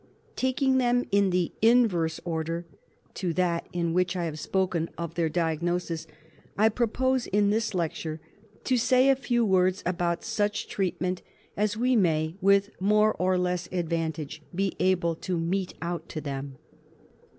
Taking them in the inverse order to that in which I have spoken of their diagnosis I prbpose in this lecture to say a few words about such treatment as we may, with more or less advantage, be able to mete out to them.